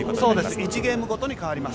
１ゲームごとに変わります。